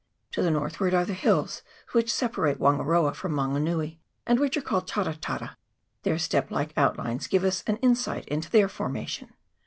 To the northward are the hills which sepa rate Wangaroa from Mango nui, and which are called Tara Tara : their step like outlines give us an insi ht into their formation.